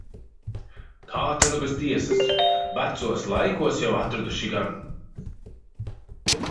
Kā ta nu bez tiesas. Vecos laikos jau atraduši gan.